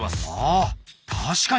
あ確かに！